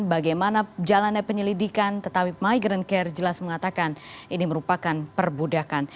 bagaimana jalannya penyelidikan tetapi migrant care jelas mengatakan ini merupakan perbudakan